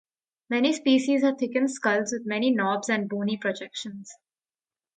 Many species had thickened skulls with many knobs and bony projections.